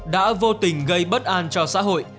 đã vô tình gây bất an cho xã hội